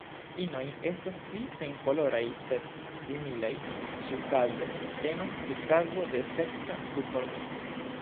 Inoj estas pli senkoloraj, sed similaj; ĉiukaze temas pri kazo de seksa duformismo.